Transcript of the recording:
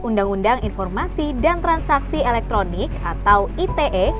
undang undang informasi dan transaksi elektronik atau ite